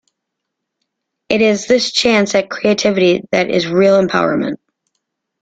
It is this chance at creativity that is real empowerment.